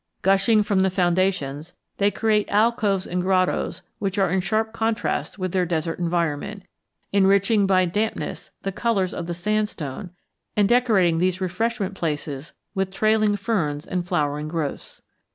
Gushing from the foundations, they create alcoves and grottos which are in sharp contrast with their desert environment, enriching by dampness the colors of the sandstone and decorating these refreshment places with trailing ferns and flowering growths.